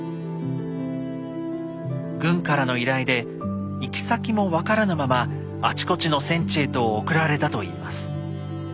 軍からの依頼で行き先も分からぬままあちこちの戦地へと送られたといいます。